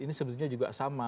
ini sebetulnya juga sama